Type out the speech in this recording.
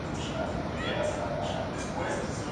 Cuenta con tres vanos.